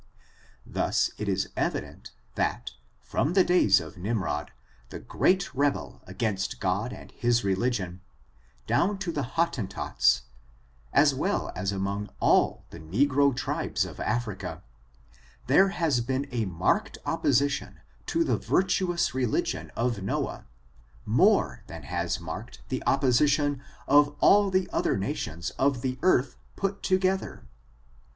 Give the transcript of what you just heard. Thus it is evident, that, from the days of Nimrod, the great rebel against God and his religion, down to the Hot tentots, as well as among all the negro tribes of Afri* ca, there has been a marked opposition to the virtuous religion of Noah, more than has marked the opposi tion of all the other nations of the earth put together.